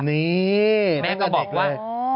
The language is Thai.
นี่แม่ก็บอกว่า